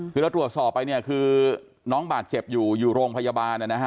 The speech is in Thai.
คือรับตรวจสอบไปน้องบาทเจ็บอยู่โรงพยาบาล